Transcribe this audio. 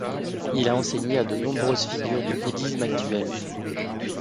Il a enseigné à de nombreuses figures du bouddhisme actuel.